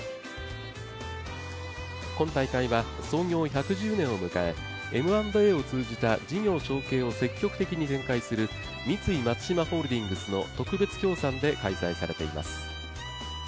今大会は、創業１１０年を迎えＭ＆Ａを通じた事業承継を積極的に展開する三井松島ホールディングスの特別協賛で開催されています。